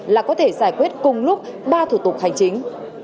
là có thể giải quyết cùng lúc ba thủ tục hành chính